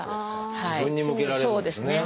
自分に向けられるんですね。